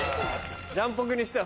ジャンポケにしては。